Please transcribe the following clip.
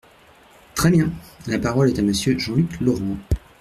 Très bien ! La parole est à Monsieur Jean-Luc Laurent.